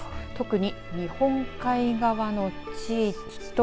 特に日本海側の地域と。